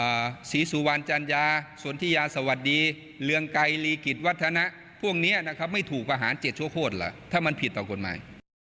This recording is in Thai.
สวศรีสุวรรณภานนทร์สวัสดีเรืองไกรลีกิจวัฒนะพวกนี้นะครับไม่ถูกประหาร๗โชคกฏหรอถ้ามันผิดต่อคนใหม่